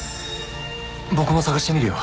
「僕も探してみるよ」